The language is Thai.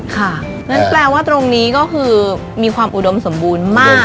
งั้นแปลว่าตรงนี้ก็คือมีความอุดมสมบูรณ์มาก